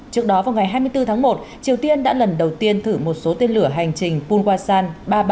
trước đó vào ngày hai mươi bốn tháng một triều tiên đã lần đầu tiên thử một số tên lửa hành trình pungwasan ba trăm ba mươi